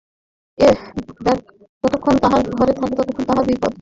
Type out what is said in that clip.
এ bag যতক্ষণ তাহার ঘরে থাকে ততক্ষণ তাহার বিপদ।